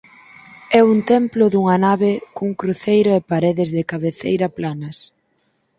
É un templo dunha nave cun cruceiro e paredes de cabeceira planas.